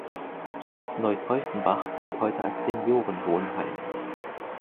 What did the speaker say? Schloss Neu-Teuffenbach dient heute als Seniorenwohnheim.